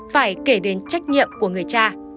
phải kể đến trách nhiệm của người cha